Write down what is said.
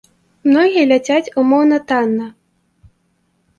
Многія ляцяць умоўна танна.